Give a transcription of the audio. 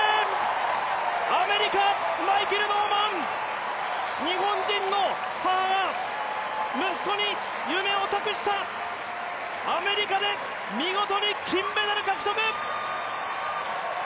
アメリカ、マイケル・ノーマン日本人の母が息子に夢を託したアメリカで見事に金メダル獲得！